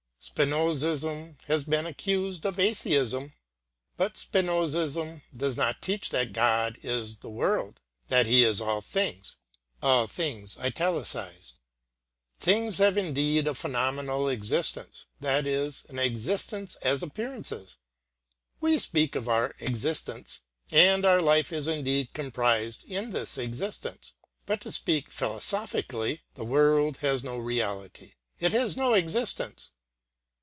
[pg 147]Spinozism has been accused of atheism. But Spinozismdoes not teach that God is the world, that He is all things. Things have indeed a phenomenal existence that is, an existence as appearances. We speak of our existence, and our life is indeed comprised in this existence, but to speak philosophically the world has no reality, it has no existence.